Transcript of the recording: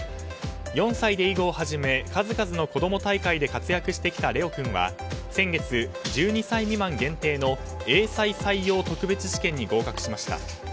４歳で囲碁を始め数々の子供大会で活躍してきた怜央君は先月１２歳未満限定の英才採用特別試験に合格しました。